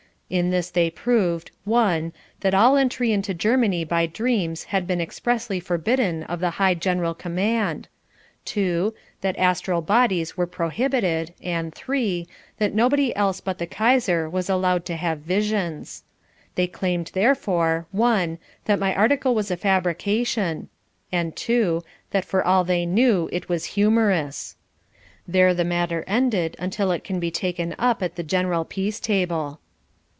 In this they proved (1) that all entry into Germany by dreams had been expressly forbidden of the High General Command; (2) that astral bodies were prohibited and (3) that nobody else but the Kaiser was allowed to have visions. They claimed therefore (1) that my article was a fabrication and (2) that for all they knew it was humorous. There the matter ended until it can be taken up at the General Peace Table.